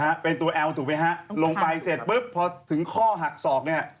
ฮะเป็นตัวแอลถูกไหมฮะลงไปเสร็จปุ๊บพอถึงข้อหักศอกเนี้ย